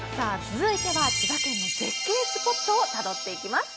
続いては千葉県の絶景スポットをたどっていきます